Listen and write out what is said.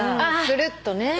するっとね。